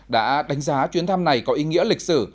đã đánh giá chuyến thăm này có ý nghĩa lịch sử